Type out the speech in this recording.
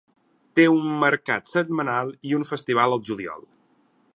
Té un mercat setmanal i un festival al juliol.